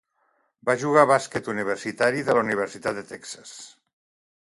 Va jugar bàsquet universitari de la Universitat de Texas.